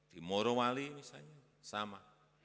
di morowali misalnya sama